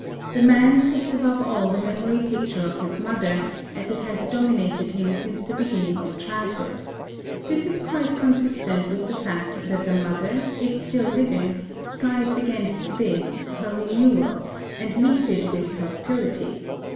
The man seeks above all the memory picture of his mother as it has dominated him since the beginning of childhood; this is quite consistent with the fact that the mother, if still living, strives against this, her renewal, and meets it with hostility.